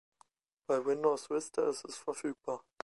Bei Windows Vista ist es verfügbar.